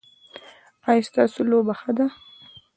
ایا ستاسو لوبه ښه ده؟